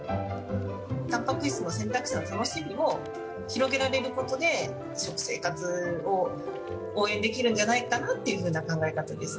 たんぱく質の選択肢や楽しみを広げられることで、食生活を応援できるんじゃないかなっていうふうな考え方です。